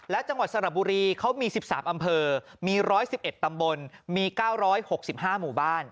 และจังหวัดสระบุรีเขามี๑๓อำเภอมี๑๑๑ตำบลมี๙๖๕หมู่บ้าน